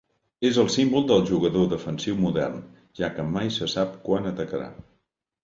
És el símbol del jugador defensiu modern, ja que mai se sap quan atacarà.